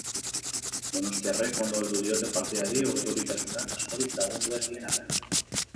Donostiarrek ondo heldu diote partidari, urduritasunak askorik lagundu ez dien arren.